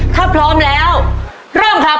ถ้าพร้อมแล้วเริ่มครับ